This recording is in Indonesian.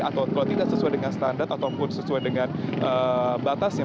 atau kalau tidak sesuai dengan standar ataupun sesuai dengan batasnya